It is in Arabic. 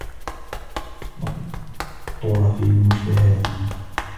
وَالطُّرَفِ الْمُشْتَهَاةِ